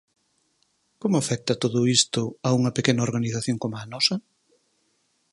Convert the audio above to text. Como afecta todo isto a unha pequena organización como a nosa?